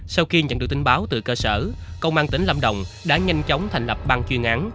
sau khi nhận được tin báo từ cơ sở công an tỉnh lâm đồng đã nhanh chóng thành lập ban chuyên án